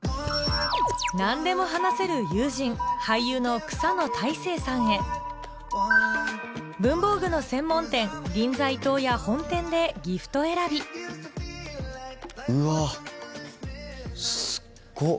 何でも話せる友人俳優の草野大成さんへ文房具の専門店銀座伊東屋本店でギフト選びうわすごっ！